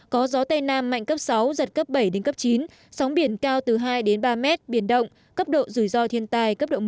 có gió tây nam mạnh cấp sáu giật cấp bảy chín sóng biển cao từ hai ba m biển động cấp độ rủi ro thiên tài cấp độ một